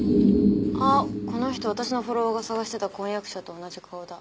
あっこの人私のフォロワーが捜してた婚約者と同じ顔だ。